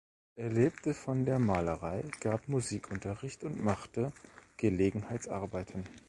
Er lebte von der Malerei, gab Musikunterricht und machte Gelegenheitsarbeiten.